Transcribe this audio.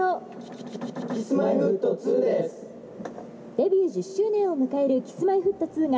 「デビュー１０周年を迎えるＫｉｓ−Ｍｙ−Ｆｔ２が」。